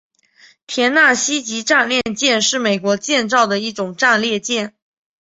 田纳西级战列舰是美国建造的一种战列舰。